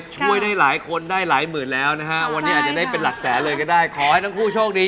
ช่วยได้หลายคนได้หลายหมื่นแล้วนะฮะวันนี้อาจจะได้เป็นหลักแสนเลยก็ได้ขอให้ทั้งคู่โชคดี